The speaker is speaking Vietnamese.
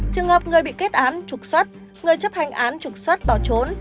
trường hợp người bị kết án trục xuất người chấp hành án trục xuất bỏ trốn